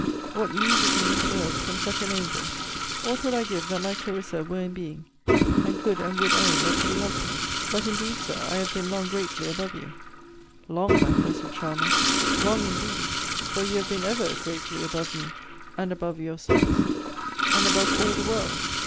What music in these words from such an angel! What would I give that my Clarissa were in being, and could and would own that she loved me? 'But, indeed, Sir, I have been long greatly above you.' Long, my blessed charmer! Long, indeed, for you have been ever greatly above me, and above your sex, and above all the world.